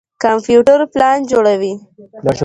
کمپيوټر پلان جوړوي.